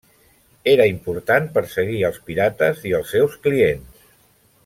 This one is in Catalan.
Era important perseguir els pirates i els seus clients.